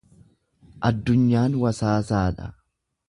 Addunyaan wasaasaadha.